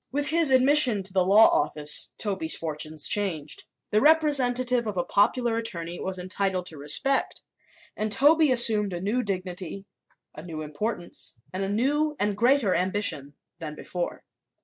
With his admission to the law office Toby's fortunes changed. The representative of a popular attorney was entitled to respect and Toby assumed a new dignity, a new importance and a new and greater ambition than before.